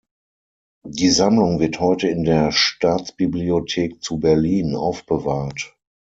Die Sammlung wird heute in der Staatsbibliothek zu Berlin aufbewahrt.